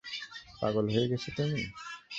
পাগল হয়ে গেছো তুমি?